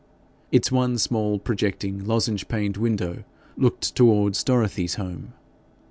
Its one small projecting lozenge paned window looked towards Dorothy's home.